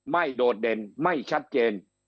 โดดเด่นไม่ชัดเจน